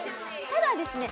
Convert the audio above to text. ただですね。